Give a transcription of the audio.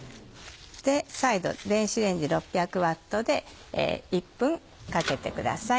再度電子レンジ６００Ｗで１分かけてください。